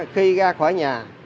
khi ra khỏi nhà